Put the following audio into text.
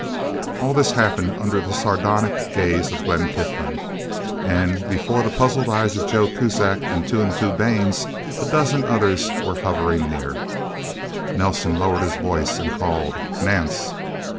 All this happened under the sardonic gaze of Glen Tiflin, and before the puzzled eyes of Joe Kuzak and Two and Two Baines. A dozen others were hovering near. Nelsen lowered his voice and called, "Nance?"